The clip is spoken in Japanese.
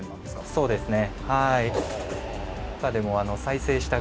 そうですね。